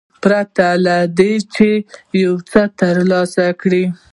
پرته له دې چې یو څه ترلاسه کړي.